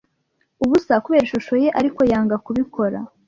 ubusa kubera ishusho ye, ariko yanga kubikora.